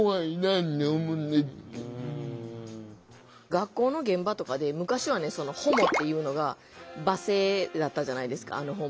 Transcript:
学校の現場とかで昔は「ホモ」って言うのが罵声だったじゃないですか。